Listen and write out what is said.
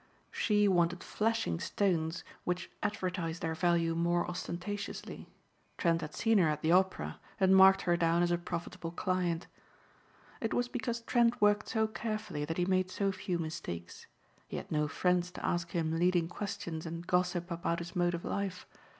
She wanted flashing stones which advertised their value more ostentatiously. Trent had seen her at the Opera and marked her down as a profitable client. It was because Trent worked so carefully that he made so few mistakes. He had no friends to ask him leading questions and gossip about his mode of life.